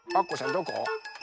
どこ？